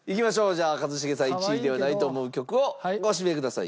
じゃあ一茂さん１位ではないと思う曲をご指名ください。